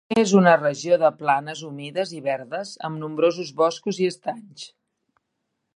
És una regió de planes humides i verdes amb nombrosos boscos i estanys.